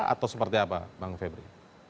atau seperti apa bang febri